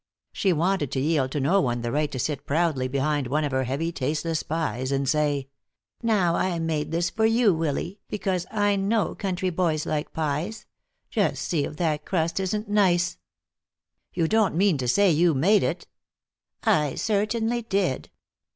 She wanted to yield to no one the right to sit proudly behind one of her heavy, tasteless pies, and say: "Now I made this for you, Willy, because I know country boys like pies. Just see if that crust isn't nice." "You don't mean to say you made it!" "I certainly did."